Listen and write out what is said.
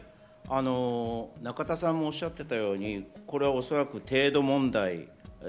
中田さんもおっしゃっていたように、これは程度問題。